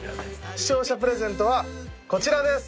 視聴者プレゼントはこちらです。